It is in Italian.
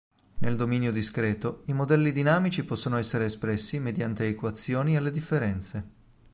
Nel dominio discreto, i modelli dinamici possono essere espressi mediante equazioni alle differenze.